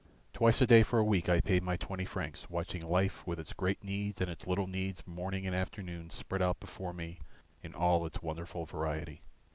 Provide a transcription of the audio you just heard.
Twice a day for a week I paid my twenty francs, watching life with its great needs and its little needs morning and afternoon spread out before me in all its wonderful variety.